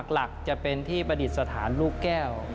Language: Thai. หลักจะเป็นที่ประดิษฐานลูกแก้ว